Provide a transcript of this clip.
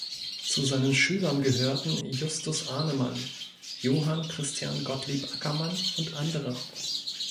Zu seinen Schülern gehörten Justus Arnemann, Johann Christian Gottlieb Ackermann und andere.